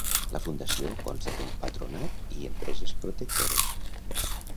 La fundació consta d'un Patronat i empreses protectores.